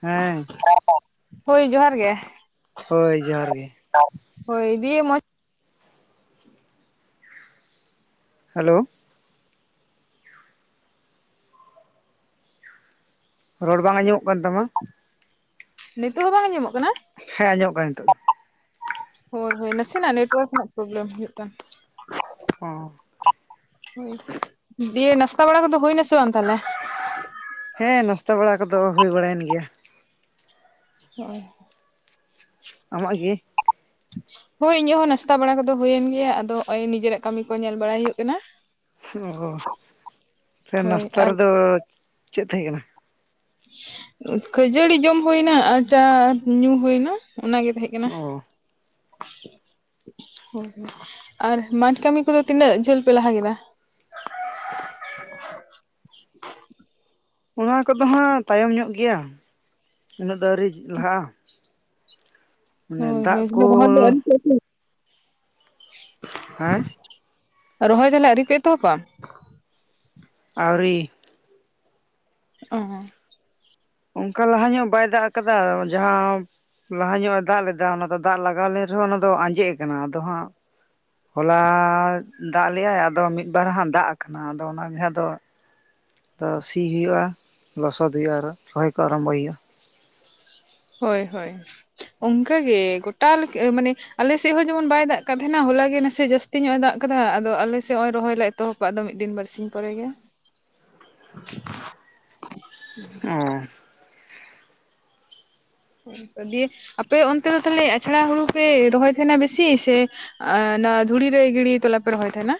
ᱦᱮᱸ ᱦᱳᱭ ᱡᱚᱦᱟᱨ ᱜᱮ ᱦᱳᱭ ᱡᱚᱦᱟᱨ ᱜᱮ ᱦᱳᱭ ᱫᱤᱭ ᱢᱚᱡᱽ ᱦᱮᱞᱳ ᱨᱚᱲ ᱵᱟᱝ ᱟᱸᱡᱚᱢᱚᱜ ᱠᱟᱱ ᱛᱟᱢᱟ ᱱᱤᱛᱚᱜ ᱦᱚᱸ ᱵᱟᱝ ᱟᱸᱚᱢᱚᱜ ᱠᱟᱱᱟ ᱦᱮᱸ ᱟᱸᱡᱚᱢᱚᱜ ᱠᱟᱱᱟ ᱱᱤᱛᱚᱜ ᱫᱚ ᱦᱳᱭ ᱦᱳᱭ ᱱᱟᱥᱮᱱᱟᱜ ᱱᱮᱴᱳᱣᱟᱨᱠ ᱨᱮᱱᱟᱜ ᱯᱨᱚᱵᱞᱮᱢ ᱦᱩᱭᱩᱜ ᱠᱟᱱ ᱚ ᱰᱤᱭᱮ ᱱᱟᱥᱛᱟ ᱵᱲᱟ ᱠᱚᱫᱚ ᱦᱩᱭ ᱱᱟᱥᱮ ᱵᱟᱝ ᱛᱟᱦᱚᱞᱮ ᱦᱮᱸ ᱱᱟᱥᱛᱟ ᱵᱟᱲᱟ ᱠᱚᱫᱚ ᱦᱩᱭ ᱵᱟᱲᱟᱭᱮᱱ ᱜᱮᱭᱟ ᱦᱚ ᱟᱢᱟᱜ ᱜᱤ ᱦᱳᱭ ᱤᱧᱟᱹᱜ ᱦᱚᱸ ᱱᱟᱥᱛᱟ ᱵᱟᱲᱟ ᱠᱚᱫᱚ ᱦᱚᱭ ᱤᱭᱟᱸ ᱦᱚᱸ ᱱᱟᱥᱛᱟ ᱵᱟᱲᱟ ᱠᱚᱫᱚ ᱦᱩᱭᱮᱱ ᱜᱮᱭᱟ ᱟᱫᱚ ᱱᱚᱜᱼᱚᱭ ᱱᱤᱡᱮᱨᱟᱜ ᱠᱟᱹᱢᱤ ᱠᱚ ᱧᱮᱞ ᱵᱟᱲᱟᱭ ᱦᱩᱭᱩᱜ ᱠᱟᱱᱟ ᱚ ᱥᱮ ᱦᱳᱭ ᱱᱟᱥᱛᱟ ᱟᱨ ᱨᱮᱫᱚ ᱪᱮᱫ ᱛᱟᱦᱮᱸ ᱠᱟᱱᱟ ᱠᱷᱟᱹᱡᱟᱹᱲᱤ ᱡᱚᱢ ᱦᱩᱭᱱᱟ ᱟᱨ ᱪᱟ ᱧᱩ ᱦᱩᱭᱱᱟ ᱚᱱᱟᱜᱮ ᱛᱟᱦᱮᱸ ᱠᱟᱱᱟ ᱚ ᱦᱚᱸ ᱟᱨ ᱢᱟᱴᱷ ᱠᱟᱹᱢᱤ ᱠᱚᱫᱚ ᱛᱤᱱᱟᱹᱜ ᱡᱷᱟᱹᱞ ᱯᱮ ᱞᱟᱦᱟ ᱠᱮᱫᱟ ᱚᱱᱟ ᱠᱚᱫᱚ ᱦᱟᱸᱜ ᱛᱟᱭᱚᱢ ᱧᱚᱜ ᱜᱮᱭᱟ ᱩᱱᱟᱹᱜ ᱫᱚ ᱟᱹᱣᱨᱤ ᱞᱟᱦᱟᱜᱼᱟ ᱢᱟᱱᱮ ᱫᱟᱜ ᱨᱚᱦᱚᱭᱟ ᱫᱚ ᱠᱚ ᱚᱶᱭᱨᱤ ᱯᱮ ᱮᱛᱚᱦᱚᱵ ᱟ ᱦᱮᱸ ᱨᱚᱦᱚᱭ ᱛᱟᱦᱞᱮ ᱟᱹᱣᱨᱤ ᱯᱮ ᱮᱛᱚᱦᱚᱵᱟ ᱟᱹᱣᱨᱤ ᱚ ᱚᱱᱠᱟ ᱞᱟᱦᱟ ᱧᱚᱜ ᱵᱟᱭ ᱫᱟᱜ ᱟᱠᱟᱫᱟ ᱡᱟᱸᱦᱟᱸ ᱞᱟᱦᱟ ᱧᱚᱜ ᱮ ᱫᱟᱜ ᱞᱮᱫᱟ, ᱚᱱᱟ ᱫᱟᱜ ᱞᱟᱜᱟᱣ ᱞᱮᱱ ᱨᱮᱦᱚᱸ ᱚᱱᱟ ᱫᱚ ᱟᱸᱡᱮᱫ ᱟᱠᱟᱱᱟ, ᱟᱫᱚ ᱦᱟᱸᱜ᱾ ᱦᱚᱞᱟ ᱫᱟᱜ ᱞᱮᱭᱟᱭ ᱟᱫᱚ ᱢᱤᱫ ᱵᱟᱨ ᱦᱟᱸ ᱫᱟᱜ ᱟᱠᱟᱱᱟ ᱟᱫᱚ ᱚᱱᱟ ᱜᱮ ᱦᱟᱸ ᱟᱫᱚ ᱛᱚ ᱥᱤ ᱦᱩᱭᱩᱜᱼᱟ, ᱞᱚᱥᱚᱫ ᱦᱩᱭᱩᱜᱼᱟ ᱟᱨᱚ ᱨᱚᱦᱚᱭ ᱠᱚ ᱟᱨᱚᱢᱵᱚᱭ ᱦᱩᱭᱩᱜᱼᱟ᱾ ᱦᱳᱭ ᱦᱳᱭ ᱚᱱᱠᱟ ᱜᱮ ᱜᱚᱴᱟ ᱢᱟᱱᱮ, ᱟᱞᱮ ᱥᱮᱫ ᱦᱚᱸ ᱡᱮᱢᱚᱱ ᱵᱟᱭ ᱫᱟᱜ ᱠᱟᱜ ᱛᱟᱦᱮᱱᱟ, ᱦᱚᱞᱟ ᱜᱮ ᱱᱟᱥᱮ ᱡᱟᱹᱥᱛᱤ ᱡᱟᱥᱛᱤ ᱧᱚᱜ ᱫᱟᱜ ᱟᱠᱟᱫᱟ ᱟᱫᱚ ᱟᱞᱮ ᱥᱮᱫ ᱱᱚᱜ ᱚᱭ ᱨᱚᱦᱚᱭ ᱞᱮ ᱮᱛᱚᱦᱳᱵᱟ ᱟᱫᱚ ᱢᱤᱫ ᱫᱤᱱ ᱵᱟᱨᱥᱤᱧ ᱯᱚᱨᱮ ᱜᱮ [inaudible] ᱚ ᱫᱤᱭᱮ ᱟᱯᱮ ᱚᱱᱛᱮ ᱫᱚ ᱛᱟᱦᱚᱞᱮ ᱟᱪᱲᱟ ᱦᱩᱲᱩ ᱯᱮ ᱨᱚᱦᱚᱭ ᱛᱟᱦᱮᱱᱟ ᱵᱮᱥᱤ ᱥᱮ ᱟ ᱱᱚᱣᱟ ᱫᱷᱩᱲᱤ ᱨᱮ ᱜᱤᱲᱤ ᱛᱚᱞᱟ ᱯᱮ ᱨᱚᱦᱚᱭ ᱛᱟᱦᱮᱱᱟ᱾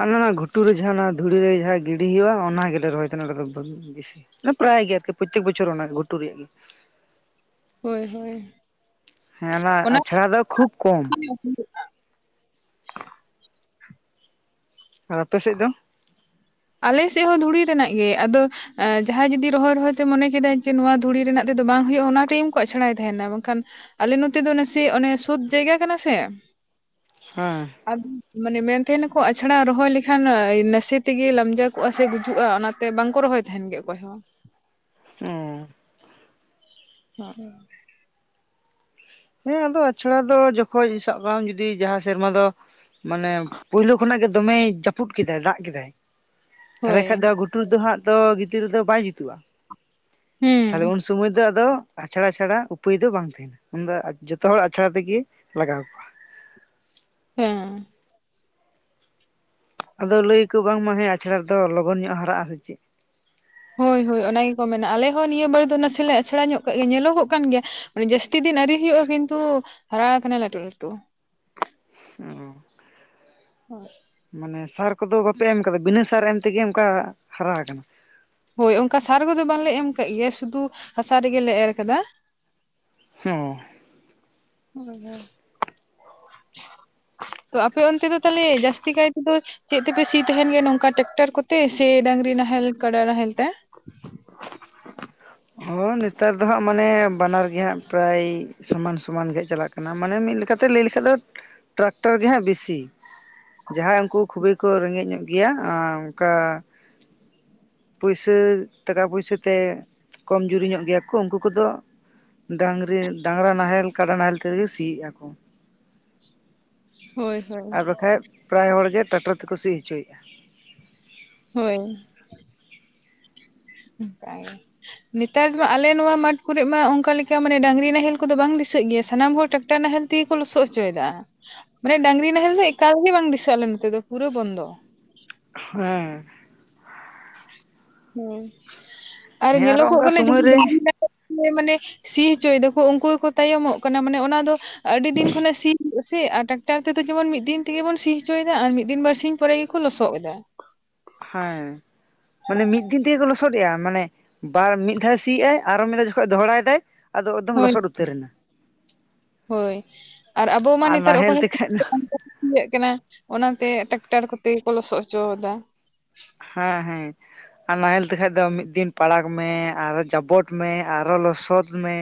ᱟᱞᱮ ᱚᱱᱟ ᱜᱷᱩᱴᱩ ᱨᱮ ᱡᱟᱦᱟᱸ ᱫᱷᱩᱲᱤ ᱨᱮ ᱡᱟᱦᱟᱸ ᱜᱤᱰᱤ ᱦᱩᱭᱩᱜᱼᱟ ᱚᱱᱟ ᱜᱮᱞᱮ ᱨᱚᱦᱚᱭ ᱛᱟᱦᱮ ᱱᱚᱰᱮ ᱫᱚ᱾ ᱯᱟᱨᱟᱭ ᱜᱮ ᱟᱨᱠᱤ ᱯᱚᱨᱛᱮᱠ ᱵᱚᱪᱷᱚᱨ ᱚᱱᱟ ᱜᱷᱩᱴᱩ ᱨᱮᱭᱟᱜ ᱜᱮ᱾ ᱦᱳᱭ ᱦᱳᱭ ᱦᱮᱸ ᱚᱱᱟ ᱟᱪᱷᱟᱲᱟ ᱫᱚ ᱠᱷᱩᱵ ᱠᱚᱢ᱾ [inaudible] ᱟᱨ ᱟᱯᱮ ᱥᱮᱫ ᱫᱚ? ᱟᱞᱮ ᱥᱮᱫ ᱦᱚᱸ ᱫᱷᱩᱲᱤ ᱨᱮᱱᱟᱜ ᱜᱮ, ᱟᱫᱚ ᱮ ᱡᱟᱦᱟᱸᱭ ᱡᱩᱫᱤ ᱨᱚᱦᱚᱭ ᱨᱚᱦᱚᱭ ᱛᱮ ᱢᱚᱱᱮ ᱠᱮᱫᱟᱭ ᱡᱮ, ᱱᱚᱣᱟ ᱫᱷᱩᱲᱤ ᱨᱮᱱᱟᱜ ᱛᱮᱫᱚ ᱵᱟᱝ ᱦᱩᱭᱩᱜᱼᱟ, ᱚᱱᱟ ᱴᱟᱭᱤᱢ ᱠᱚ ᱟᱪᱷᱲᱟᱭ ᱛᱟᱦᱮᱱᱟ, ᱵᱟᱝᱠᱷᱟᱱ ᱟᱞᱮ ᱱᱚᱛᱮ ᱫᱚ ᱱᱟᱥᱮ ᱚᱱᱮ ᱥᱳᱫ ᱡᱟᱭᱜᱟ ᱠᱟᱱᱟ ᱥᱮ᱾ ᱦᱮᱸ ᱟᱫᱚ ᱢᱟᱱᱮ ᱢᱮᱱ ᱛᱟᱦᱮᱱᱟ ᱠᱚ ᱟᱪᱷᱟᱲᱟ ᱨᱚᱦᱚᱭ ᱞᱮᱠᱷᱟᱱ ᱱᱟᱥᱮ ᱛᱮᱜᱮ ᱞᱟᱢᱡᱟ ᱠᱚᱜᱼᱟ ᱥᱮ ᱜᱩᱡᱩᱜᱼᱟ, ᱚᱱᱟᱛᱮ ᱵᱟᱝ ᱠᱚ ᱨᱚᱦᱚᱭ ᱛᱟᱦᱮᱱ ᱜᱮ ᱚᱠᱚᱭ ᱦᱚᱸ᱾ ᱚ ᱦ [unintelligible] ᱦᱮᱸ ᱟᱫᱚ ᱟᱪᱷᱲᱟ ᱫᱚ ᱡᱚᱠᱷᱚᱡ ᱥᱟᱵ ᱠᱟᱜ ᱢᱮ ᱡᱩᱫᱤ ᱡᱟᱸᱦᱟᱸ ᱥᱮᱨᱢᱟ ᱫᱚ ᱢᱟᱱᱮ ᱯᱳᱭᱞᱳ ᱠᱷᱚᱱᱟᱜ ᱜᱮ ᱫᱚᱢᱮᱭ ᱡᱟᱹᱯᱩᱫ ᱠᱮᱫᱟᱭ ᱫᱟᱜ ᱠᱮᱫᱟᱭ ᱛᱟᱦᱞᱮ ᱦᱳᱭ ᱠᱷᱟᱱ ᱫᱚ ᱜᱷᱩᱴᱩ ᱨᱮᱫᱚ ᱦᱟᱸᱜ ᱛᱚ ᱜᱤᱛᱤᱞ ᱫᱚ ᱵᱟᱭ ᱡᱩᱛᱩᱜᱼᱟ᱾ ᱦᱩᱸ ᱛᱟᱦᱞᱮ ᱩᱱ ᱥᱚᱢᱚᱭ ᱫᱚ ᱟᱫᱚ ᱟᱪᱷᱲᱟ ᱪᱷᱟᱲᱟ ᱩᱯᱟᱹᱭ ᱫᱚ ᱵᱟᱝ ᱛᱟᱦᱮᱱᱟ᱾ ᱩᱱᱫᱚ ᱡᱚᱛᱚ ᱦᱚᱲ ᱟᱪᱷᱲᱟ ᱛᱮᱜᱮ ᱞᱟᱜᱟᱣ ᱟᱠᱚᱣᱟ᱾ ᱦᱮᱸ [unintelligible] ᱟᱫᱚ ᱞᱟᱹᱭ ᱟᱠᱚ ᱵᱟᱝᱢᱟ ᱦᱮ ᱟᱪᱷᱲᱟ ᱨᱮ ᱫᱚ ᱞᱚᱜᱚᱱ ᱧᱚᱜ ᱦᱟᱨᱟᱜᱼᱟ ᱥᱮ ᱪᱮᱫ ᱦᱳᱭ ᱦᱳᱭ, ᱚᱱᱟ ᱜᱮᱠᱚ ᱢᱮᱱᱟ ᱟᱞᱮ ᱦᱚᱸ ᱱᱤᱭᱟᱹ ᱵᱟᱨᱮ ᱫᱚ ᱱᱟᱥᱮ ᱟᱪᱷᱟᱲᱟ ᱧᱚᱜ ᱠᱟᱜ ᱜᱮᱭᱟ ᱧᱮᱞᱚᱜᱚᱜ ᱠᱟᱱ ᱜᱮᱭᱟ᱾ ᱢᱟᱱᱮ ᱡᱟᱹᱥᱛᱤ ᱫᱤᱱ ᱟᱹᱣᱨᱤ ᱦᱩᱭᱩᱜᱼᱟ, ᱠᱤᱱᱛᱩ ᱦᱟᱨᱟ ᱟᱠᱟᱱᱟ ᱞᱟᱹᱴᱩ ᱞᱟᱹᱴᱩ ᱚ [unintelligible] ᱦᱳᱭ ᱢᱟᱱᱮ ᱥᱟᱨ ᱠᱚᱫᱚ ᱵᱟᱯᱮ ᱮᱢ ᱠᱟᱫᱟ ᱵᱤᱱᱟᱹ ᱥᱟᱨ ᱮᱢ ᱛᱮᱜᱮ ᱚᱱᱠᱟ ᱦᱟᱨᱟ ᱟᱠᱟᱱᱟ᱾ ᱦᱳᱭ ᱚᱱᱠᱟ ᱥᱟᱨ ᱠᱚᱫᱚ ᱵᱟᱝ ᱞᱮ ᱮᱢ ᱠᱟᱜ ᱜᱮᱭᱟ ᱥᱩᱫᱷᱩ ᱦᱟᱥᱟ ᱨᱮᱜᱮ ᱞᱮ ᱮᱨ ᱟᱠᱟᱫᱟ᱾ ᱦᱮᱸ [unintelligible] ᱛᱚ ᱟᱯᱮ ᱚᱱᱛᱮ ᱫᱚ ᱛᱟᱦᱞᱮ ᱡᱟᱹᱥᱛᱤ ᱠᱟᱭ ᱛᱮᱫᱚ ᱪᱮᱫ ᱛᱮᱯᱮ ᱥᱤ ᱛᱟᱦᱮᱱ ᱜᱮᱭᱟ, ᱱᱚᱝᱠᱟ ᱴᱮᱠᱴᱟᱨ ᱠᱚᱛᱮ ᱥᱮ ᱰᱟᱝᱨᱤ ᱱᱟᱦᱮᱞ, ᱠᱟᱰᱟ ᱱᱟᱦᱮᱞ ᱛᱮ ᱦᱚ ᱱᱮᱛᱟᱨ ᱫᱚ ᱦᱟᱸᱜ ᱢᱟᱱᱮ ᱵᱟᱱᱟᱨ ᱜᱮ ᱦᱟᱸᱜ ᱯᱨᱟᱭ ᱥᱚᱢᱟᱱ ᱥᱚᱢᱟᱱ ᱜᱮ ᱪᱟᱞᱟᱜ ᱠᱟᱱᱟ, ᱢᱟᱱᱮ ᱢᱤᱫ ᱞᱮᱠᱟᱛᱮ ᱞᱟᱹᱭ ᱞᱮᱠᱷᱟᱡ ᱫᱚ ᱴᱨᱟᱠᱴᱟᱨ ᱜᱮ ᱦᱟᱸᱜ ᱵᱮᱥᱤ ᱡᱟᱦᱟᱸᱭ ᱩᱱᱠᱩ ᱠᱷᱩᱵᱤ ᱠᱚ ᱨᱮᱸᱜᱮᱡ ᱧᱚᱜ ᱜᱮᱭᱟ, ᱟ ᱚᱱᱠᱟ ᱯᱩᱭᱥᱟᱹ ᱴᱟᱠᱟ ᱯᱩᱭᱥᱟᱹ ᱛᱮ, ᱠᱚᱢ ᱡᱩᱨᱤ ᱧᱚᱜ ᱜᱮᱭᱟ ᱠᱚ ᱩᱱᱠᱩ ᱠᱚᱫᱚ ᱰᱟᱝᱨᱤ ᱰᱟᱝᱨᱟ ᱱᱟᱦᱮᱞ ᱠᱟᱰᱟ ᱱᱟᱦᱮᱞ ᱛᱮᱜᱮ ᱥᱤᱭᱮᱫᱼᱟ ᱠᱚ᱾ [inaudible] ᱦᱳᱭ ᱦᱳᱭ ᱟᱨ ᱵᱟᱠᱷᱟᱡ ᱯᱨᱟᱭ ᱦᱚᱲᱜᱮ ᱴᱨᱟᱠᱴᱚᱨ ᱛᱮᱠᱚ ᱥᱤ ᱦᱚᱪᱚᱭᱮᱫᱼᱟ᱾ ᱦᱳᱭ ᱚᱱᱠᱟ ᱜᱮ ᱱᱮᱛᱟᱨ ᱢᱟ ᱟᱞᱮ ᱱᱚᱣᱟ ᱢᱟᱴᱷ ᱠᱚᱨᱮ ᱢᱟ ᱚᱱᱠᱟ ᱢᱟᱱᱮ ᱰᱟᱹᱝᱨᱤ ᱱᱟᱦᱮᱞ ᱠᱚᱫᱚ ᱵᱟᱝ ᱫᱤᱥᱟᱹᱜ ᱜᱮᱭᱟ ᱾ᱥᱟᱱᱟᱢ ᱦᱚᱲ ᱴᱟᱠ ᱴᱟᱨ ᱱᱟᱦᱮᱞ ᱛᱮᱜᱮ ᱠᱚ ᱞᱚᱥᱚᱫ ᱦᱚᱪᱚᱭᱮᱫᱟ ᱢᱟᱱᱮ ᱰᱟᱝᱨᱤ ᱱᱟᱦᱮᱞ ᱫᱚ ᱮᱠᱟᱞ ᱜᱮ ᱵᱟᱝ ᱫᱤᱥᱟᱹᱜ ᱟᱞᱮ ᱱᱚᱛᱮ ᱫᱚ ᱯᱩᱨᱟᱹ ᱵᱚᱱᱫᱚ ᱦᱮᱸ ᱦᱮᱸ ᱟᱨ ᱦᱮᱸ ᱟᱨᱚ ᱧᱮᱞᱚᱜᱚᱜ ᱚᱱᱠᱟ ᱠᱟᱱᱟ ᱥᱚᱢᱚᱭ ᱨᱮ [unintelligible] ᱢᱟᱱᱮ ᱥᱤ ᱦᱚᱪᱚᱭ ᱫᱟᱠᱚ ᱩᱱᱠᱩ ᱜᱮᱠᱚ ᱛᱟᱭᱚᱢᱚᱜ ᱠᱟᱱᱟ ᱢᱟᱱᱮ ᱚᱱᱟ ᱫᱚ ᱟᱹᱰᱤ ᱫᱤᱱ ᱠᱷᱚᱱᱟᱜ ᱥᱤ ᱫᱟ ᱥᱮ ᱟᱨ ᱴᱨᱟᱠᱴᱟᱨ ᱛᱮᱫᱚ ᱡᱮᱢᱚᱱ ᱢᱤᱫ ᱫᱤᱱ ᱛᱮᱜᱮ ᱵᱚᱱ ᱥᱤ ᱦᱚᱪᱚᱭᱮᱫᱟ ᱟᱨ ᱢᱤᱫ ᱫᱤᱱ ᱵᱟᱨᱥᱤᱧ ᱯᱚᱨᱮ ᱜᱮᱠᱚ ᱞᱚᱥᱚᱫ ᱮᱫᱟ ᱦᱮᱸ ᱢᱟᱱᱮ ᱢᱤᱫ ᱫᱤᱱ ᱛᱮᱜᱮ ᱠᱚ ᱞᱚᱥᱚᱫᱮᱜᱼᱟ ᱢᱟᱱᱮ ᱵᱟᱨ ᱢᱤᱫ ᱫᱷᱟᱣ ᱥᱤᱭ ᱟᱭ ᱟᱨᱚ ᱢᱤᱫ ᱫᱷᱟᱣ ᱡᱚᱠᱷᱚᱱ ᱫᱚᱦᱲᱟᱭ ᱫᱟᱭ ᱟᱫᱚ ᱮᱠᱫᱚᱢ ᱦᱳᱭ ᱞᱚᱥᱚᱫ ᱩᱛᱟᱹᱨ ᱮᱱᱟ ᱦᱳᱭ ᱟᱨ ᱟᱵᱚ ᱢᱟ ᱱᱮᱛᱟᱨ ᱚᱠᱚᱭ ᱱᱟᱦᱮᱞ ᱦᱚ ᱛᱮᱠᱷᱟᱡ ᱫᱚ [unintelligible] ᱤᱭᱟᱹᱜ ᱠᱟᱱᱟ ᱚᱱᱟᱛᱮ ᱴᱟᱠᱴᱟᱨ ᱠᱚᱛᱮ ᱜᱮ ᱠᱚ ᱞᱚᱥᱚᱫ ᱦᱚᱪᱚᱭ ᱫᱟ ᱦᱮᱸ ᱦᱮᱸ ᱟᱨ ᱱᱟᱦᱮᱞ ᱛᱮ ᱠᱷᱟᱡ ᱫᱚ ᱢᱤᱫ ᱫᱤᱱ ᱯᱟᱲᱟᱜᱽ ᱢᱮ ᱟᱨᱚ ᱡᱟᱵᱚᱴ ᱢᱮ ᱟᱨᱚ ᱞᱚᱥᱚᱫ ᱢᱮ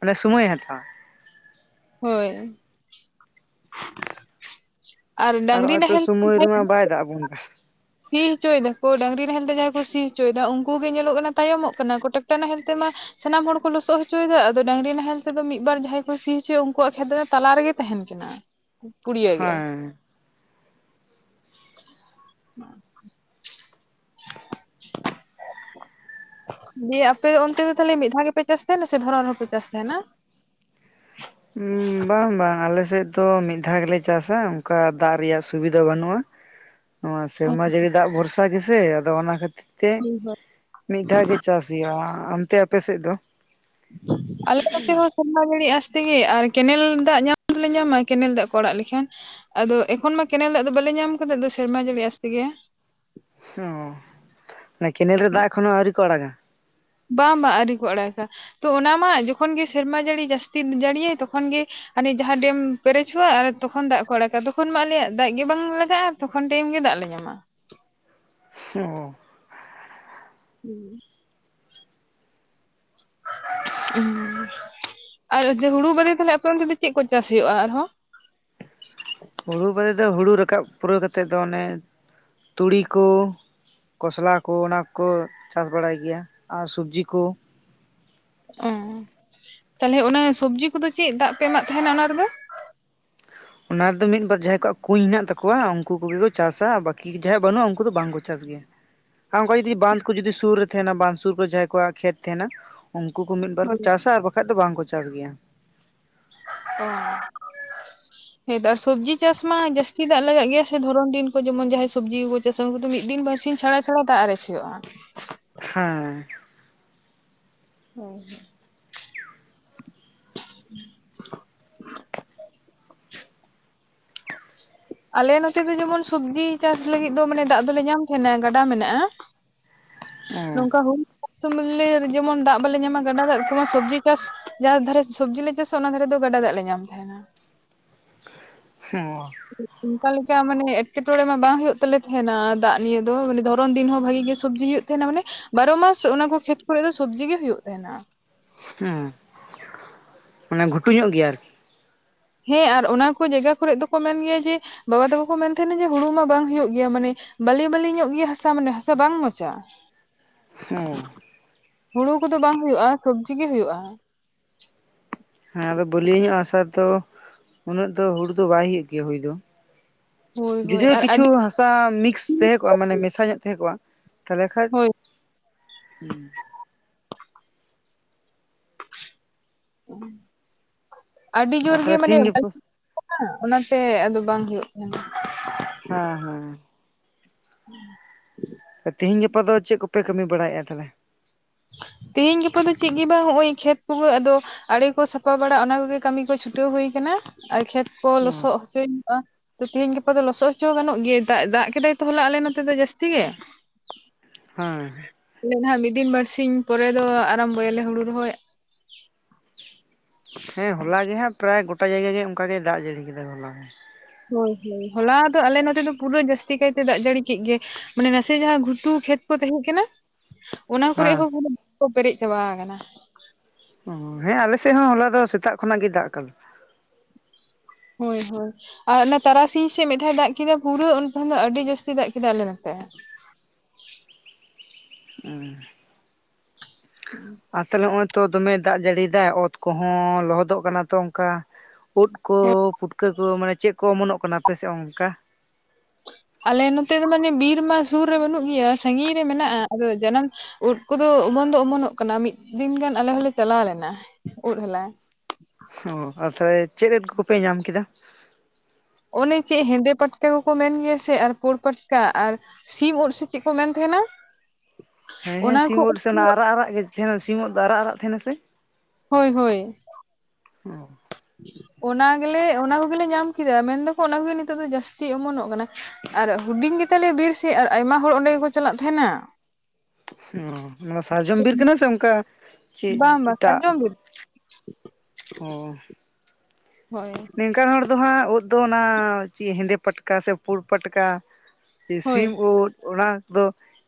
ᱢᱟᱱᱮ ᱥᱳᱢᱚᱭᱮ ᱦᱟᱛᱟᱣᱟ ᱦᱳᱭ ᱟᱨ ᱰᱟᱝᱨᱤ ᱱᱚᱜᱼᱚᱭ ᱛᱚ ᱱᱟᱦᱮᱞ ᱥᱚᱢᱚᱭ ᱨᱮᱢᱟ ᱵᱟᱭ ᱫᱟᱜ ᱟᱵᱚᱱ ᱠᱟᱱᱟ ᱥᱤ ᱦᱚᱪᱚᱭ ᱫᱟᱠᱚ ᱰᱟᱝᱨᱤ ᱱᱟᱦᱮᱞᱛᱮ ᱡᱟᱦᱟᱸᱭ ᱠᱚ ᱥᱤ ᱦᱚᱪᱚᱭᱮᱫᱟ ᱩᱱᱠᱩ ᱜᱮ ᱧᱮᱞᱚᱜ ᱠᱟᱱᱟ ᱛᱟᱭᱚᱢᱚᱜ ᱠᱟᱱᱟ ᱴᱟᱠᱴᱟᱨ ᱱᱟᱦᱮᱞ ᱛᱮ ᱢᱟ ᱥᱟᱱᱟᱢ ᱦᱚᱲ ᱠᱚ ᱞᱚᱥᱚᱫ ᱦᱚᱪᱚᱭᱮᱫᱟ ᱟᱫᱚ ᱰᱟᱹᱝᱨᱤ ᱱᱟᱦᱮᱞ ᱛᱮᱫᱚ ᱢᱤᱫ ᱵᱟᱨ ᱡᱟᱦᱟᱸᱭ ᱠᱚ ᱥᱤ ᱦᱚᱪᱚᱭᱟ ᱩᱱᱠᱩᱣᱟᱜ ᱠᱷᱮᱛ ᱫᱚ ᱛᱟᱞᱟ ᱨᱮᱜᱮ ᱛᱟᱦᱮᱱ ᱜᱮ ᱯᱩᱲᱤᱭᱟᱹ ᱜᱮ ᱦᱮᱸ [unintelligible] ᱫᱤᱭᱮ ᱟᱯᱮ ᱫᱚ ᱚᱱᱛᱮ ᱫᱚ ᱛᱟᱞᱦᱮ ᱢᱤᱫ ᱫᱷᱟᱣ ᱜᱮᱯᱮ ᱪᱟᱥ ᱛᱟᱦᱮᱱᱟ ᱥᱮ ᱫᱷᱚᱨᱚᱱ ᱦᱚᱯᱮ ᱪᱟᱥ ᱛᱟᱦᱮᱱᱟ? ᱵᱟᱝ ᱵᱟᱝ ᱟᱞᱮᱥᱮᱫ ᱫᱚ ᱢᱤᱫ ᱫᱷᱟᱣ ᱜᱮᱞᱮ ᱪᱟᱥᱟ ᱚᱱᱠᱟ ᱫᱟᱜ ᱨᱮᱭᱟᱜ ᱥᱩᱵᱤᱫᱷᱟ ᱵᱟᱹᱱᱩᱜᱼᱟ [inaudible] ᱱᱚᱣᱟ ᱥᱮᱨᱢᱟ ᱡᱟᱹᱲᱤ ᱫᱟᱜ ᱵᱷᱚᱨᱥᱟ ᱜᱮᱥᱮ ᱟᱫᱚ ᱚᱱᱟ ᱠᱷᱟᱹᱛᱤᱨ ᱛᱮ ᱢᱤᱫ ᱫᱷᱟᱣ ᱜᱮ ᱪᱟᱥ ᱜᱮᱭᱟ᱾ ᱚᱱᱛᱮ ᱟᱯᱮᱥᱮᱫ ᱫᱚ? [unintelligible] ᱟᱞᱮ ᱱᱚᱛᱮ ᱦᱚᱸ ᱥᱮᱨᱢᱟ ᱡᱟᱹᱲᱤ ᱟᱥᱛᱮᱜᱮ ᱟᱨ ᱠᱮᱱᱮᱞ ᱫᱟᱜ ᱧᱟᱢ ᱫᱚᱞᱮ ᱧᱟᱢᱟ ᱠᱮᱱᱮᱞ ᱫᱟᱜ ᱠᱚ ᱟᱲᱟᱜ ᱞᱮᱠᱷᱟᱱ ᱟᱫᱚ ᱮᱠᱷᱚᱱ ᱢᱟ ᱠᱮᱱᱮᱞ ᱫᱟᱜ ᱫᱚ ᱵᱟᱞᱮ ᱧᱟᱢ ᱠᱟᱫᱟ ᱥᱮᱨᱢᱟ ᱡᱟᱹᱲᱤ ᱟᱸᱥ ᱛᱮᱜᱮ ᱚ ᱢᱟᱱᱮ ᱠᱮᱱᱮᱞ ᱨᱮ ᱫᱟᱜ ᱠᱷᱚᱱ ᱦᱚᱸ ᱟᱹᱣᱨᱤ ᱠᱚ ᱟᱲᱟᱜᱟ ᱵᱟᱝ ᱵᱟᱝ ᱟᱹᱣᱨᱤ ᱠᱚ ᱟᱲᱟᱜᱟ ᱛᱚ ᱚᱱᱟ ᱢᱟ ᱡᱚᱠᱷᱚᱱ ᱜᱮ ᱥᱮᱨᱢᱟ ᱡᱟᱹᱲᱤ ᱡᱟᱹᱥᱛᱤ ᱡᱟᱹᱲᱤᱭᱟᱭ ᱛᱚᱠᱷᱚᱱ ᱜᱮ ᱟᱞᱮ ᱡᱟᱦᱟᱸ ᱰᱮᱢ ᱯᱮᱨᱮᱡᱚᱜᱼᱟ ᱟᱨ ᱛᱚᱠᱷᱚᱱ ᱫᱟᱜ ᱠᱚ ᱟᱲᱟᱜᱼᱟ ᱛᱚᱠᱷᱚᱱ ᱢᱟ ᱟᱞᱮᱭᱟᱜ ᱫᱟᱜ ᱜᱮ ᱵᱟᱝ ᱞᱟᱜᱟᱜᱼᱟ ᱛᱚᱠᱷᱚᱱ ᱴᱟᱭᱤᱢ ᱜᱮ ᱫᱟᱜ ᱞᱮ ᱧᱟᱢᱟ ᱚᱻ ᱦᱩᱸ ᱟᱨ ᱦᱩᱲᱩ ᱵᱟᱫᱮ ᱛᱟᱞᱦᱮ ᱟᱯᱮ ᱚᱱᱛᱮ ᱫᱚ ᱪᱮᱫ ᱠᱚ ᱪᱟᱥ ᱦᱩᱭᱩᱜᱼᱟ ᱟᱨᱦᱚᱸ? ᱦᱩᱲᱩ ᱵᱟᱫᱮ ᱫᱚ ᱦᱩᱲᱩ ᱨᱟᱠᱟᱵ ᱯᱩᱨᱟᱹᱣ ᱠᱟᱛᱮᱫ ᱫᱚ ᱚᱱᱮ ᱛᱩᱲᱤ ᱠᱚ ᱠᱷᱚᱥᱞᱟ ᱠᱚ ᱚᱱᱟ ᱠᱚᱠᱚ ᱪᱟᱥ ᱵᱟᱲᱟᱭ ᱜᱮᱭᱟ ᱟᱨ ᱥᱚᱵᱡᱤ ᱠᱚ ᱚ ᱛᱟᱦᱚᱞᱮ ᱚᱱᱟ ᱥᱚᱵᱡᱤ ᱠᱚᱫᱚ ᱪᱮᱫ ᱫᱟᱜ ᱯᱮ ᱮᱢᱟᱜ ᱛᱟᱦᱮᱱᱟ ᱚᱱᱟ ᱨᱮᱫᱚ? ᱚᱱᱟ ᱨᱮᱫᱚ ᱢᱤᱫᱵᱟᱨ ᱡᱟᱦᱟᱸᱭ ᱠᱚᱣᱟᱜ ᱠᱩᱧ ᱦᱮᱱᱟᱜ ᱛᱟᱠᱚᱣᱟ ᱩᱱᱠᱩ ᱠᱚᱜᱮ ᱠᱚ ᱪᱟᱥᱟ ᱾ ᱵᱟᱹᱠᱤ ᱡᱟᱦᱟᱸᱭᱟᱜ ᱵᱟᱹᱱᱩᱜᱼᱟ ᱩᱱᱠᱩ ᱫᱚ ᱵᱟᱝᱠᱚ ᱪᱟᱥ ᱜᱮᱭᱟ᱾ ᱟᱨ ᱚᱱᱠᱟ ᱡᱩᱫᱤ ᱵᱟᱸᱫ ᱠᱚ ᱡᱩᱫᱤ ᱥᱩᱨ ᱨᱮ ᱛᱟᱦᱮᱱᱟ ᱵᱟᱸᱫ ᱥᱩᱨ ᱠᱚᱨᱮ ᱡᱟᱦᱟᱸᱭ ᱠᱚᱣᱟᱜ ᱠᱷᱮᱛ ᱛᱟᱦᱮᱱᱟ ᱩᱱᱠᱩ ᱠᱚ ᱢᱤᱫᱵᱟᱨ ᱠᱚ ᱦᱳᱭ ᱪᱟᱥᱟ ᱟᱨ ᱵᱟᱠᱷᱟᱡ ᱫᱚ ᱵᱟᱝᱠᱚ ᱪᱟᱥ ᱜᱮᱭᱟ ᱚᱻ ᱦᱮᱸᱛᱚ ᱟᱨ ᱥᱚᱵᱽᱡᱤ ᱪᱟᱥ ᱢᱟ ᱡᱟᱹᱥᱛᱤ ᱫᱟᱜ ᱞᱟᱜᱟᱜ ᱜᱮᱭᱟ ᱥᱮ ᱫᱷᱚᱨᱚᱱ ᱫᱤᱱ ᱠᱚ ᱡᱮᱢᱚᱱ ᱡᱟᱦᱟᱸᱭ ᱥᱚᱵᱽᱡᱤ ᱠᱚ ᱪᱟᱥᱟ ᱩᱱᱠᱩ ᱫᱚ ᱢᱤᱫ ᱫᱤᱱ ᱵᱟᱨ ᱥᱤᱧ ᱪᱷᱟᱲᱟ ᱪᱷᱟᱲᱟ ᱫᱟᱜ ᱟᱨᱮᱡ ᱦᱩᱭᱩᱜᱼᱟ ᱦᱮᱸᱻ [unintelligible] [unintelligible] ᱟᱞᱮ ᱱᱚᱛᱮ ᱫᱚ ᱡᱮᱢᱚᱱ ᱥᱚᱵᱽᱡᱤ ᱪᱟᱥ ᱞᱟᱹᱜᱤᱫ ᱫᱚ ᱢᱟᱱᱮ ᱫᱟᱜ ᱫᱚᱞᱮ ᱧᱟᱢ ᱛᱟᱦᱮᱸᱱᱟ ᱜᱟᱰᱟ ᱢᱮᱱᱟᱜᱼᱟ ᱦᱮᱸ ᱱᱚᱝᱠᱟ ᱦᱩᱭ [unintelligible] ᱡᱮᱢᱚᱱ ᱫᱟᱜ ᱵᱟᱞᱮ ᱧᱟᱢᱟ ᱜᱟᱰᱟ ᱫᱟᱜ ᱛᱮᱢᱟ ᱥᱚᱵᱽᱡᱤ ᱪᱟᱥ ᱡᱟᱦᱟᱸ ᱫᱷᱟᱨᱮ ᱥᱚᱵᱽᱡᱤ ᱞᱮ ᱪᱟᱥᱟ ᱚᱱᱟ ᱫᱷᱟᱨᱮ ᱫᱚ ᱜᱟᱰᱟ ᱫᱟᱜ ᱞᱮ ᱧᱟᱢ ᱛᱟᱦᱮᱱᱟ ᱦᱚᱸ ᱚᱱᱠᱟ ᱞᱮᱠᱟ ᱢᱟᱱᱮ ᱮᱴᱠᱮᱴᱚᱬᱮ ᱢᱟ ᱵᱟᱝ ᱦᱩᱭᱩᱜ ᱛᱟᱞᱮ ᱛᱟᱦᱮᱱᱟ ᱫᱟᱜ ᱱᱤᱭᱮ ᱫᱚ ᱢᱟᱱᱮ ᱫᱷᱚᱨᱚᱱ ᱫᱤᱱ ᱦᱚᱸ ᱵᱷᱟᱜᱤ ᱜᱮ ᱥᱚᱵᱡᱤ ᱦᱩᱭᱩᱜ ᱛᱟᱞᱮ ᱛᱮᱦᱮᱸᱱᱟ ᱢᱟᱱᱮ ᱵᱟᱨᱚ ᱢᱟᱥ ᱚᱱᱟ ᱠᱚ ᱠᱷᱮᱛ ᱠᱚᱨᱮᱜ ᱫᱚ ᱥᱚᱵᱽᱡᱤ ᱜᱮ ᱦᱩᱭᱩᱜ ᱛᱟᱦᱮᱸᱱᱟ ᱾ ᱦᱩᱸ ᱢᱟᱱᱮ ᱜᱷᱩᱴᱩ ᱧᱚᱜ ᱜᱮᱭᱟ ᱟᱨ ᱦᱮᱸ ᱟᱨ ᱚᱱᱟ ᱠᱚ ᱡᱟᱭᱜᱟ ᱠᱚᱨᱮᱜ ᱫᱚᱠᱚ ᱢᱮᱱ ᱜᱮᱭᱟ ᱡᱮ ᱵᱟᱵᱟ ᱛᱟᱠᱚ ᱠᱚ ᱢᱮᱱ ᱛᱟᱦᱮᱸᱱᱟ, ᱡᱮ ᱦᱩᱲᱩ ᱢᱟ ᱵᱟᱝ ᱦᱩᱭᱩᱜ ᱜᱮᱭᱟ ᱢᱟᱱᱮ ᱵᱟᱞᱮᱼᱵᱟᱞᱮ ᱧᱚᱜ ᱜᱮᱭᱟ ᱦᱟᱥᱟ ᱢᱟᱱᱮ ᱦᱟᱥᱟ ᱵᱟᱝ ᱢᱟᱡᱟᱜᱼᱟ᱾ [inaudible] ᱦᱩᱸ ᱦᱩᱲᱩ ᱠᱚᱫᱚ ᱵᱟᱝ ᱦᱩᱭᱩᱜᱼᱟ, ᱥᱩᱵᱽᱡᱤ ᱜᱮ ᱦᱩᱭᱩᱜᱼᱟ᱾ ᱦᱮᱸ ᱟᱫᱚ ᱵᱟᱹᱞᱭᱟᱹ ᱧᱚᱜ ᱦᱟᱥᱟ ᱨᱮᱫᱚ ᱩᱱᱟᱹᱜ ᱫᱚ ᱦᱩᱲᱩ ᱫᱚ ᱵᱟᱭ ᱦᱩᱭᱩᱜ ᱜᱮᱭᱟ ᱦᱩᱭ ᱫᱚ ᱦᱳᱭ ᱡᱩᱫᱤ ᱦᱳᱭ ᱦᱚ ᱟᱨ ᱠᱤᱪᱷᱩ ᱟᱹᱰᱤ ᱦᱟᱥᱟ ᱢᱤᱠᱥ ᱛᱮᱦᱮᱸ ᱠᱚᱜᱼᱟ ᱢᱟᱱᱮ ᱢᱮᱥᱟ ᱧᱚᱜ ᱛᱟᱦᱮᱸ ᱠᱚᱜᱼᱟ, ᱛᱟᱦᱮᱞᱮ ᱠᱷᱟᱡ ᱦᱳᱭ ᱦᱩᱸ ᱟᱹᱰᱤ ᱟᱨ ᱡᱳᱨ ᱜᱮ ᱛᱟᱦᱚᱞᱮ ᱢᱟᱱᱮ ᱛᱤᱦᱤᱧ [inaudible] ᱜᱟᱯᱟ [inaudible] ᱚᱱᱟᱛᱮ ᱟᱫᱚ ᱵᱟᱝ ᱦᱳᱭᱳᱜ ᱠᱟᱱᱟ᱾ ᱦᱩᱸ ᱦᱩᱸ ᱟᱨ ᱛᱮᱦᱤᱧ ᱜᱟᱯᱟ ᱫᱚ ᱪᱮᱫ ᱠᱚᱯᱮ ᱠᱟᱹᱢᱤ ᱵᱟᱲᱟᱭᱮᱫᱼᱟ ᱛᱟ ᱦᱮᱞᱮ? ᱛᱮᱦᱮᱧ ᱜᱟᱯᱟ ᱫᱚ ᱪᱮᱜ ᱜᱮ ᱵᱟᱝ ᱱᱚᱜᱼᱚᱭ ᱠᱷᱮᱛ ᱠᱚᱜᱮ ᱟᱫᱚ ᱟᱲᱮ ᱠᱚ ᱥᱟᱯᱷᱟ ᱵᱟᱲᱟ ᱚᱱᱟ ᱠᱚᱜᱮ ᱠᱟᱹᱢᱤ ᱠᱚ ᱪᱷᱩᱴᱟᱹᱣ ᱦᱩᱭ ᱠᱟᱱᱟ ᱟᱨ ᱠᱷᱮᱛ ᱠᱚ ᱚ ᱞᱚᱥᱚᱜ ᱦᱚᱪᱚᱧ ᱟ, ᱛᱮᱦᱮᱧ ᱜᱟᱯᱟ ᱫᱚ ᱞᱚᱥᱚᱫ ᱚᱪᱚ ᱜᱟᱱᱚᱜ ᱜᱮᱭᱟ, ᱫᱟᱜ ᱫᱟᱜ ᱠᱮᱫᱟᱭ ᱛᱚ ᱦᱚᱞᱟ ᱟᱞᱮ ᱱᱚᱛᱮ ᱫᱚ ᱡᱟᱹᱥᱛᱤ ᱜᱮ, [unintelligible] ᱦᱩᱸ ᱦᱩᱸ ᱟᱞᱮ ᱫᱚ ᱱᱟᱜ ᱢᱤᱫ ᱫᱤᱱ ᱵᱟᱹᱨᱥᱤᱧ ᱯᱚᱨᱮ ᱫᱚ ᱟᱨᱚᱢᱵᱷᱽ ᱭᱟᱞᱮ ᱦᱩᱲᱩ ᱨᱚᱦᱚᱭ ᱦᱮᱸ ᱦᱚᱞᱟ ᱜᱮ ᱦᱟᱸᱜ ᱯᱟᱨᱟᱭ ᱜᱚᱴᱟ ᱡᱟᱭᱜᱟ ᱜᱮ ᱚᱸᱠᱟ ᱜᱮ ᱫᱟᱜ ᱡᱟᱹᱲᱤ ᱠᱮᱫᱟᱭ ᱦᱚᱞᱟ ᱦᱚᱸ ᱾ ᱦᱳᱭ ᱦᱳᱭ ᱦᱚᱞᱟ ᱫᱚ ᱟᱞᱮ ᱱᱚᱛᱮ ᱫᱚ ᱯᱩᱨᱟᱹ ᱡᱟᱹᱥᱛᱤ ᱠᱟᱭᱛᱮ ᱫᱟᱜ ᱡᱟᱹᱲᱤ ᱠᱮᱜ ᱜᱮ᱾ ᱢᱟᱱᱮ ᱱᱟᱥᱮ ᱡᱟᱦᱟᱸ ᱜᱷᱩᱴᱩ ᱠᱷᱮᱛ ᱠᱚ ᱛᱮᱦᱮᱸ ᱠᱟᱱᱟ, ᱚᱱᱟ ᱠᱚᱨᱮ ᱦᱮᱸ ᱦᱚᱸ [inaudible] ᱯᱮᱨᱮᱡ ᱪᱟᱵᱟ ᱟᱠᱟᱱᱟ᱾ ᱚᱦᱚᱸ ᱦᱮᱸ ᱟᱞᱮᱥᱮᱫ ᱦᱚᱸ ᱦᱚᱞᱟ ᱫᱚ ᱥᱮᱛᱟᱜ ᱠᱷᱚᱱᱟᱜ ᱜᱮ ᱫᱟᱜ ᱟᱠᱟᱫᱟ᱾ ᱦᱳᱭ ᱦᱳᱭ᱾ ᱟᱨ ᱚᱱᱟ ᱛᱟᱨᱟᱥᱤᱧ ᱥᱮ ᱢᱤᱫ ᱫᱷᱟᱣ ᱫᱟᱜ ᱠᱮᱫᱟ ᱯᱩᱨᱟᱹ ᱩᱱᱠᱷᱚᱱ ᱫᱚ ᱟᱹᱰᱤ ᱡᱟᱹᱥᱛᱤ ᱫᱟᱜ ᱠᱮᱫᱟᱭ ᱟᱞᱮ ᱱᱚᱛᱮ᱾ ᱩᱦ᱾ ᱦᱩᱸ᱾ ᱟᱥᱚᱞ ᱱᱚᱜ ᱛᱚ ᱫᱚᱢᱮ ᱫᱟᱜ ᱡᱟᱹᱲᱤ ᱮᱫᱟᱭ ᱚᱛ ᱠᱚᱦᱚᱸ ᱞᱚᱦᱚᱫᱚᱜ ᱠᱟᱱᱟ ᱛᱚ ᱚᱸᱠᱟ, ᱩᱫ ᱠᱚ ᱯᱩᱴᱠᱟᱹ ᱠᱚ ᱢᱟᱱᱮ ᱪᱮᱫ ᱠᱚ ᱚᱢᱚᱱᱚᱜ ᱠᱟᱱᱟ ᱟᱯᱮᱥᱮ ᱚᱸᱠᱟ? ᱟᱞᱮ ᱱᱚᱛᱮ ᱫᱚ ᱢᱟᱱᱮ ᱵᱤᱨ ᱢᱟ ᱥᱩᱨ ᱨᱮ ᱵᱟᱹᱱᱩᱜ ᱜᱮᱭᱟ ᱥᱟᱺᱜᱤᱧ ᱨᱮ ᱢᱮᱱᱟᱜᱼᱟ ᱟᱫᱚ ᱡᱟᱱᱟᱢ ᱩᱫ ᱠᱚᱫᱚ ᱚᱢᱚᱱ ᱫᱚ ᱚᱢᱚᱱᱚᱜ ᱠᱟᱱᱟ ᱢᱤᱫ ᱫᱤᱱ ᱜᱟᱱ ᱟᱞᱮ ᱦᱚᱞᱮ ᱪᱟᱞᱟᱣ ᱞᱮᱱᱟ ᱩᱫ ᱦᱟᱞᱟᱝ᱾ ᱚ ᱟᱹᱛᱷᱟᱹᱭ ᱪᱮᱫ ᱩᱫ ᱠᱚᱯᱮ ᱧᱟᱢ ᱠᱮᱫᱟ, ᱚᱱᱮ ᱪᱮᱜ ᱦᱮᱸᱫᱮ ᱯᱟᱴᱴᱮ ᱠᱚᱠᱚ ᱢᱮᱱ ᱜᱮᱭᱟ ᱥᱮ ᱟᱨ ᱯᱩᱲ ᱯᱟᱴᱠᱟ ᱟᱨ ᱥᱤᱢ ᱩᱫ ᱥᱮ ᱪᱮᱜ ᱠᱚ ᱢᱮᱱ ᱛᱮᱦᱮᱱᱟ? ᱦᱮᱸ ᱦᱮᱸ ᱥᱤᱢ ᱩᱫ ᱥᱮ ᱚᱱᱟ ᱟᱨᱟᱜ ᱟᱨᱟᱜ ᱜᱮ ᱛᱮᱦᱮᱱᱟ ᱥᱤᱢ ᱩᱫ ᱫᱚ ᱟᱨᱟᱜ ᱟᱨᱟᱜ ᱛᱟᱦᱮᱸᱱᱟ ᱥᱮ? ᱦᱳᱭ ᱦᱳᱭ᱾ ᱦᱚᱭ ᱚᱱᱟ ᱜᱮᱞᱮ ᱚᱱᱟ ᱠᱚᱜᱽᱮᱞᱮ ᱧᱟᱢ ᱠᱮᱫᱟ ᱢᱮᱱ ᱫᱚᱠᱚ ᱚᱱᱟ ᱠᱚᱜᱮ ᱱᱤᱛᱚᱜ ᱫᱚ ᱡᱟᱹᱥᱛᱤ ᱚᱢᱚᱱᱚᱜ ᱠᱟᱱᱟ᱾ ᱟᱨ ᱦᱩᱰᱤᱧ ᱜᱮ ᱛᱟᱞᱮᱭᱟ ᱵᱤᱨ ᱥᱮ ᱟᱨ ᱟᱭᱢᱟ ᱦᱚᱲ ᱚᱸᱰᱮ ᱜᱮᱠᱚ ᱪᱟᱞᱟᱜ ᱛᱟᱦᱮᱸᱱᱟ᱾ ᱦᱩᱸ ᱱᱚᱱᱟ ᱥᱟᱨᱡᱚᱢ ᱵᱤᱨ ᱠᱟᱱᱟ ᱥᱮ ᱚᱸᱠᱟ ᱪᱮᱫ ᱵᱟᱝ ᱵᱟᱝ ᱮᱴᱟᱜ, ᱥᱟᱨᱡᱚᱢ ᱵᱤᱨ ᱚᱦ ᱦᱳᱭ᱾ ᱱᱮᱝᱠᱟᱱ ᱦᱚᱲ ᱫᱚ ᱦᱟᱸᱜ ᱩᱫ ᱫᱚ ᱚᱱᱟ ᱪᱮᱜ ᱦᱮᱸᱫᱮ ᱯᱟᱴᱠᱟ ᱥᱮ ᱯᱩᱲ ᱯᱟᱴᱠᱟ ᱤᱥᱤᱢ ᱦᱳᱭ ᱩᱫ ᱚᱱᱟ ᱠᱚᱫᱚ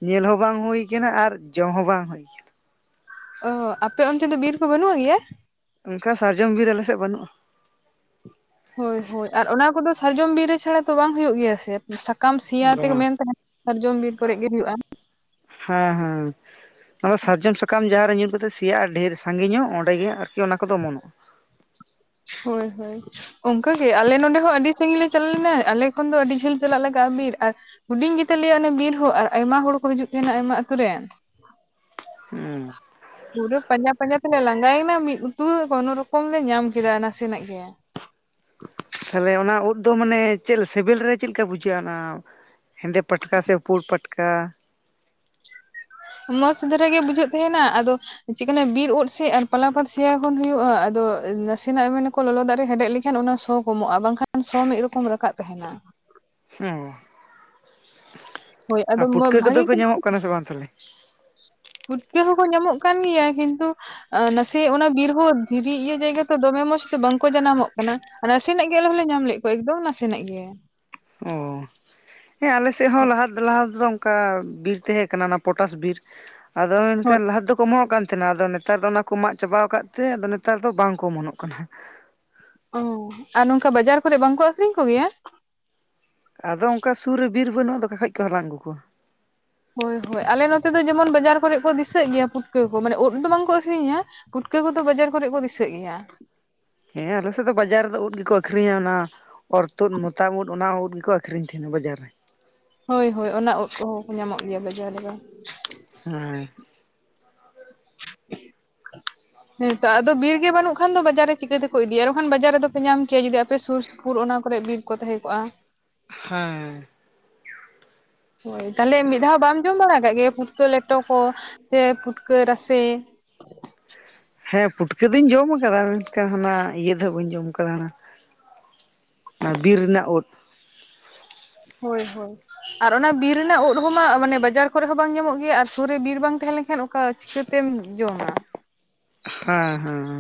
ᱧᱮᱞ ᱦᱚᱸ ᱵᱟᱝ ᱦᱩᱭ ᱠᱟᱱᱟ ᱟᱨ ᱡᱚᱢ ᱦᱚᱸ ᱵᱟᱝ ᱦᱩᱭ ᱠᱟᱱᱟ᱾ ᱚᱦ ᱟᱯᱮ ᱚᱱᱛᱮ ᱫᱚ ᱵᱤᱨ ᱠᱚ ᱵᱟᱹᱱᱩᱜ ᱜᱮᱭᱟ᱾ ᱚᱱᱠᱟ ᱥᱟᱨᱡᱚᱢ ᱵᱤᱨ ᱟᱞᱮ ᱥᱮᱫ ᱵᱟᱹᱱᱩᱜᱼᱟ᱾ ᱦᱳᱭ ᱦᱳᱭ ᱟᱨ ᱚᱱᱟ ᱠᱚᱫᱚ ᱥᱟᱨᱡᱚᱢ ᱵᱤᱨ ᱨᱮ ᱪᱷᱟᱲᱟ ᱛᱚ ᱵᱟᱝ ᱦᱩᱭᱩᱜ ᱜᱮᱭᱟ ᱥᱮ [inaudible] ᱥᱟ᱾ ᱠᱟᱢ ᱥᱤᱸᱭᱟ ᱛᱮᱜᱮ ᱵᱟᱝ ᱢᱮᱱ ᱛᱟᱱᱟᱢ ᱦᱚᱣᱟᱨ ᱡᱚᱢ ᱵᱤᱨ ᱯᱮᱨᱮᱡᱽ ᱜᱮ ᱦᱩᱭᱩᱜᱼᱟ᱾ ᱦᱮᱸ ᱦᱩᱸ᱾ ᱱᱚᱟᱟ ᱫᱚ ᱥᱟᱨᱡᱚᱢ ᱥᱟᱠᱟᱢ ᱡᱟᱦᱟᱸᱨᱮ ᱧᱩᱨ ᱠᱟᱛᱮ ᱥᱮᱭᱟᱜ-ᱟ, ᱰᱷᱮᱨ ᱥᱟᱺᱜᱤ ᱧᱚᱜ ᱚᱸᱰᱮ ᱜᱮ ᱟᱨᱠᱤ ᱚᱢᱳᱱᱳᱜᱼᱟ᱾ ᱦᱳᱭ ᱦᱳᱭ᱾ ᱚᱱᱠᱟᱜᱮ ᱟᱞᱮ ᱱᱚᱸᱰᱮ ᱦᱚᱸ ᱟᱹᱰᱤ ᱥᱟᱹᱜᱤᱧ ᱞᱮ ᱪᱟᱞᱟᱣ ᱞᱮᱱᱟ ᱟᱞᱮ ᱠᱷᱚᱱ ᱫᱚ ᱟᱹᱰᱤ ᱡᱷᱟᱹᱞ ᱪᱟᱞᱟᱜ ᱞᱟᱜᱟᱜ-ᱟ ᱵᱤᱨ ᱟᱨ᱾ ᱦᱩᱰᱤᱧ ᱜᱮᱛᱟᱞᱮᱭᱟ ᱚᱱᱮ ᱵᱤᱨ ᱦᱚᱸ ᱟᱨ ᱟᱭᱢᱟ ᱦᱚᱲ ᱠᱚ ᱦᱤᱡᱩᱜ ᱛᱟᱦᱮᱱᱟ ᱟᱭᱢᱟ ᱟᱛᱩᱨ ᱨᱮᱱ᱾ ᱦᱩᱸ ᱯᱩᱨᱟᱹ ᱯᱟᱸᱡᱟ ᱯᱟᱸᱡᱟ ᱛᱮᱞᱮ ᱞᱟᱸᱜᱟᱭᱮᱱᱟ ᱢᱤᱫ ᱩᱛᱩ ᱠᱚᱱᱳ ᱨᱚᱠᱚᱢ ᱞᱮ ᱧᱟᱢ ᱠᱮᱫᱟ ᱱᱟᱥᱮᱱᱟᱜ ᱜᱮ᱾ ᱛᱟᱦᱚᱞᱮ ᱚᱱᱟ ᱩᱫ ᱫᱚ ᱢᱟᱱᱮ ᱪᱮᱫ ᱥᱮᱵᱮᱞ ᱨᱮ ᱪᱮᱫ ᱞᱮᱠᱟ ᱵᱩᱡᱷᱟᱹᱜᱼᱟ ᱚᱱᱟ? ᱦᱮᱸᱫᱮ ᱯᱟᱴᱠᱟ ᱥᱮ ᱯᱩᱲ ᱯᱟᱴᱠᱟ᱾ ᱢᱚᱸᱡᱽ ᱫᱷᱟᱨᱟ ᱜᱮ ᱵᱩᱡᱷᱟᱹᱜ ᱛᱟᱦᱮᱱᱟ ᱟᱫᱚ᱾ ᱪᱮᱫ ᱵᱤᱨ ᱩᱫ ᱥᱮ ᱟᱨ ᱯᱟᱞᱟ ᱯᱟᱛ ᱥᱮᱭᱟ ᱠᱷᱚᱱ ᱦᱩᱭᱩᱜᱭᱼᱟ ᱟᱫᱚ ᱱᱟᱥᱮᱱᱟᱜ ᱮᱢᱱᱟᱠᱚ ᱞᱚᱞᱚ ᱫᱟᱜ ᱨᱮ ᱦᱮᱰᱮᱡ ᱞᱟᱹᱜᱤᱫ᱾ ᱮᱠᱷᱟᱱ ᱚᱱᱟ ᱥᱚ ᱠᱚᱢᱚᱜᱼᱟ ᱵᱟᱝᱠᱷᱟᱱ ᱥᱚ ᱢᱤᱫ ᱨᱚᱠᱚᱢ ᱨᱟᱠᱟᱵ ᱛᱟᱦᱮᱱᱟ᱾ ᱚ ᱦᱳᱭ ᱟᱫᱚ ᱟᱨ ᱯᱩᱴᱠᱟᱹ ᱠᱚᱫᱚ ᱵᱷᱟᱜᱤ ᱠᱚ ᱧᱟᱢᱚᱜ ᱠᱟᱱᱟ ᱥᱮ ᱵᱟᱝ ᱛᱟᱦᱚᱞᱮ? ᱯᱩᱴᱠᱟᱹ ᱦᱚᱸᱠᱚ ᱧᱟᱢᱚᱜ ᱠᱟᱱ ᱜᱮᱭᱟ ᱠᱤᱱᱛᱩ᱾ ᱱᱟᱥᱮ ᱚᱱᱟ ᱵᱤᱨ ᱦᱚ ᱫᱷᱤᱨᱤ ᱤᱭᱟᱹ ᱡᱟᱭᱜᱟ ᱛᱚ ᱫᱚᱢᱮ ᱢᱚᱸᱡᱽ ᱫᱚ ᱵᱟᱝᱠᱚ ᱡᱟᱱᱟᱢᱚᱜ ᱠᱟᱱᱟ᱾ ᱱᱟᱥᱮᱱᱟᱜ ᱜᱮ ᱟᱞᱮ ᱦᱚᱸᱞᱮ ᱧᱟᱢ ᱞᱮᱫ ᱠᱚᱣᱟ ᱮᱠᱫᱚᱢ ᱱᱟᱥᱮᱱᱟᱜ ᱜᱮ᱾ ᱚ ᱦᱮᱸ ᱟᱞᱮ ᱥᱮᱫ ᱦᱚᱸ ᱞᱟᱦᱟ ᱞᱟᱦᱟ ᱛᱮᱫᱚ ᱚᱱᱠᱟ ᱵᱤᱨ ᱛᱟᱦᱮᱸ ᱠᱟᱱᱟ ᱯᱚᱴᱟᱥ ᱵᱤᱨ᱾ ᱟᱫᱚ ᱦᱳᱭ ᱢᱮᱱᱠᱷᱟᱱ ᱞᱟᱦᱟ ᱛᱮᱫᱚ ᱠᱚ ᱚᱢᱚᱜ ᱠᱟᱱ᱾ ᱛᱟᱦᱮᱱᱟ ᱟᱫᱚ ᱱᱮᱛᱟᱨ ᱫᱚ ᱚᱱᱟ ᱠᱚ ᱢᱟᱜ ᱪᱟᱵᱟᱣ ᱟᱠᱟᱫ ᱛᱮ ᱟᱫᱚ ᱱᱮᱛᱟᱨ ᱫᱚ ᱵᱟᱝᱠᱚ ᱚᱢᱚᱱᱚᱜ ᱠᱟᱱᱟ᱾ ᱚ ᱟᱨ ᱱᱚᱝᱠᱟ ᱵᱟᱡᱟᱨ ᱠᱚᱨᱮ ᱵᱟᱝᱠᱟ ᱟᱠᱷᱨᱤᱧ ᱠᱚᱜᱮᱭᱟ? ᱟᱫᱚ ᱚᱱᱠᱟ ᱥᱩᱨ ᱨᱮ ᱵᱤᱨ ᱵᱟᱹᱱᱩᱜᱼᱟ ᱟᱫ ᱚᱠᱟ ᱠᱷᱟᱡ ᱠᱚ ᱦᱟᱞᱟᱝ ᱟᱹᱜᱩ ᱠᱚᱣᱟ᱾ ᱦᱳᱭ ᱦᱳᱭ ᱟᱞᱮ ᱱᱚᱛᱮ ᱫᱚ ᱡᱮᱢᱚᱱ ᱵᱟᱡᱟᱨ ᱠᱚᱨᱮ ᱠᱚ ᱫᱤᱥᱟᱹᱜ ᱜᱮᱭᱟ ᱯᱩᱴᱠᱟᱹ ᱠᱚ ᱢᱟᱱᱮ ᱩᱫ ᱫᱚ ᱵᱟᱝᱠᱚ ᱟᱹᱠᱷᱨᱤᱧᱟ ᱜᱩᱴᱠᱟᱹ ᱠᱚᱫᱚ ᱵᱟᱡᱟᱨ ᱠᱚᱨᱮ ᱠᱚ ᱫᱤᱥᱟᱹᱜ ᱜᱮᱭᱟ᱾ ᱦᱮᱸ ᱟᱞᱮᱥᱮᱫ ᱫᱚ ᱵᱟᱡᱟᱨ ᱨᱮᱫᱚ ᱩᱫ ᱜᱮᱠᱚ ᱟᱹᱷᱨᱤᱧᱟ ᱚᱱᱟ ᱚᱨᱛᱩᱩᱫ ᱢᱚᱛᱟᱢ ᱩᱫ ᱚᱱᱟ ᱩᱫ ᱜᱮᱠᱚ ᱟᱹᱷᱨᱤᱧᱟ᱾ ᱟᱠᱷᱨᱤᱧ ᱛᱟᱦᱮᱱᱟ ᱵᱟᱡᱟᱨ ᱨᱮ᱾ ᱦᱳᱭ ᱦᱳᱭ ᱚᱱᱟ ᱩᱫ ᱠᱚᱦᱚᱸ ᱠᱚ ᱧᱟᱢᱚᱜ ᱜᱮᱭᱟ ᱵᱟᱡᱟᱨ ᱨᱮᱫᱚ᱾ ᱦᱮᱸ᱾ ᱦᱮᱸᱛᱚ ᱟᱫᱚ ᱵᱤᱨ ᱜᱮ ᱵᱟᱹᱱᱩᱜ ᱠᱷᱟᱱ ᱫᱚ ᱵᱟᱡᱟᱨ ᱨᱮ ᱪᱤᱠᱟᱹᱛᱮᱠᱚ ᱤᱫᱤᱭᱟ ᱮᱠᱷᱟᱱ ᱵᱟᱡᱟᱨ ᱨᱮᱫᱚᱯᱮ ᱧᱟᱢ ᱠᱮᱭᱟ ᱡᱩᱫᱤ ᱟᱯ ᱥᱩᱨ ᱥᱯᱩᱨ ᱚᱱᱟ ᱠᱚᱨᱮ ᱵᱤᱨ᱾ ᱠᱚ ᱛᱟᱦᱮᱸ ᱠᱚᱜᱼᱟ᱾ ᱦᱮᱸ᱾ ᱦᱳᱭ ᱛᱟᱦᱚᱞᱮ ᱢᱤᱫ ᱫᱷᱟᱣ ᱵᱟᱢ ᱡᱚᱢ ᱵᱟᱲᱟ ᱟᱠᱟᱫ ᱜᱮ ᱯᱷᱩᱴᱠᱟᱹ ᱞᱮᱴᱚ ᱠᱚ ᱥᱮ ᱯᱷᱩᱴᱠᱟᱹ ᱨᱟᱥᱮ᱾ ᱦᱮᱸ ᱯᱩᱴᱠᱟᱹ ᱫᱚᱧ ᱡᱚᱢ ᱟᱠᱟᱫᱟ ᱢᱮᱱᱠᱷᱟᱱ ᱦᱟᱱᱟ ᱤᱭᱟᱹ ᱫᱚ ᱵᱟᱹᱧ ᱡᱚᱢ ᱟᱠᱟᱫᱟ ᱦᱮ ᱚᱱᱟ ᱵᱤᱨ ᱨᱮᱱᱟᱜ ᱩᱫ ᱦᱳᱭ ᱦᱳᱭ᱾ ᱟᱨ ᱚᱱᱟ ᱵᱤᱨ ᱨᱮᱱᱟᱜ ᱩᱫ ᱦᱚᱸᱢᱟᱟᱱᱮ ᱵᱟᱡᱟᱨ ᱠᱚᱨᱮ ᱦᱚᱸ ᱵᱟᱝ ᱧᱟᱢᱚᱜ ᱜᱮᱭᱟ ᱟᱨ ᱥᱩᱨ ᱨᱮ ᱵᱤᱨ ᱵᱟᱝ ᱛᱟᱦᱮᱸ ᱞᱮᱱᱠᱷᱟᱱ ᱠᱟ ᱪᱤᱠᱟᱹᱛᱮᱢ ᱡᱚᱢᱟ᱾ ᱦᱮᱸ ᱦᱮᱸ